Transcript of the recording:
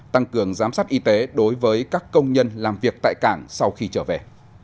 tăng cường giám sát y tế đối với các công nhân làm việc tại cảng sau khi trở về